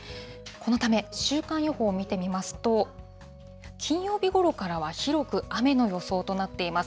このため週間予報を見てみますと、金曜日ごろからは広く雨の予想となっています。